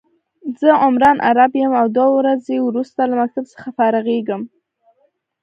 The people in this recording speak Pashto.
زه عمران عرب يم او دوه ورځي وروسته له مکتب څخه فارغيږم